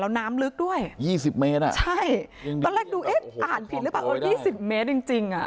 แล้วน้ำลึกด้วย๒๐เมตรตอนแรกดูเอ๊ะอ่านผิดหรือเปล่า๒๐เมตรจริง